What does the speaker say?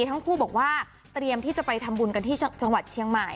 ทั้งคู่บอกว่าเตรียมที่จะไปทำบุญกันที่จังหวัดเชียงใหม่